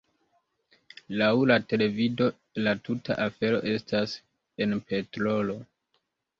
Laŭ la televido la tuta afero estas en petrolo.